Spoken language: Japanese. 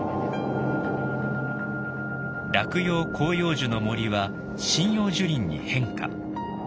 落葉広葉樹の森は針葉樹林に変化。